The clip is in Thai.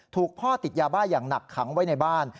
ถูกพ่อติดยาบ้าอย่างหนักขังไว้ในบ้าน